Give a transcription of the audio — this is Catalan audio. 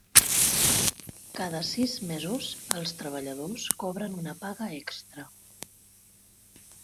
Cada sis mesos els treballadors cobren una paga extra.